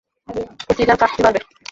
পত্রিকার কাটতি বাড়বে।